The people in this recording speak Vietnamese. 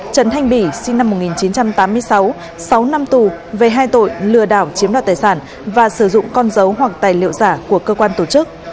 trần thanh bỉ sinh năm một nghìn chín trăm tám mươi sáu sáu năm tù về hai tội lừa đảo chiếm đoạt tài sản và sử dụng con dấu hoặc tài liệu giả của cơ quan tổ chức